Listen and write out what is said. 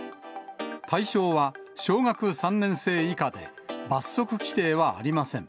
対象は、小学３年生以下で、罰則規定はありません。